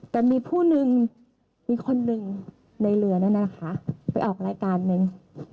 แต่มีผู้นึงมีคนหนึ่งในเรือนั่นนะคะไปออกรายการนึง